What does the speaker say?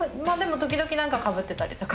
時々なんかかぶってたりとか。